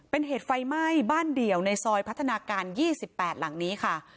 เป็นเหตุไฟไหม้บ้านเดี่ยวในซอยพัฒนาการ๒๘หลังนี้ค่ะ